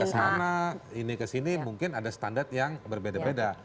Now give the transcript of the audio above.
kesana ini kesini mungkin ada standar yang berbeda beda